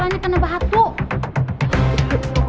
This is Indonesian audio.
minta ditemenin sama patima